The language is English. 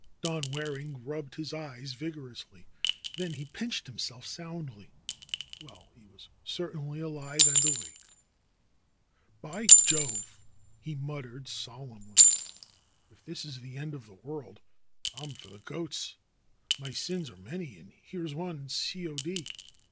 Don Waring rubbed his eyes vigorously. Then he pinched himself soundly. Well, he was certainly alive and awake ! '^By Jove!" he muttered solemnly, ^flf this is the end of the world, I'm for the goats ! My sins are many, and here's one C. 0. D."